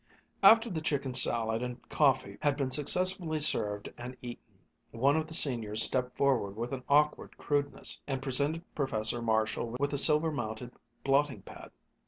After the chicken salad and coffee had been successfully served and eaten, one of the Seniors stepped forward with an awkward crudeness and presented Professor Marshall with a silver mounted blotting pad.